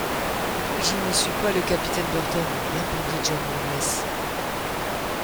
Je ne suis pas le capitaine Burton, répondit John Mangles.